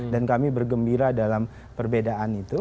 dan kami bergembira dalam perbedaan itu